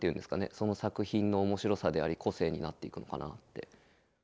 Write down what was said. その作品の面白さであり個性になっていくのかなって。